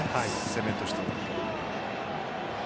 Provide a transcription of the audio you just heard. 攻めとしては。